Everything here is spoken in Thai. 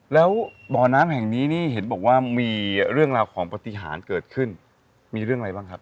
แล้วบ่อน้ำแห่งนี้นี่เห็นบอกว่ามีเรื่องราวของปฏิหารเกิดขึ้นมีเรื่องอะไรบ้างครับ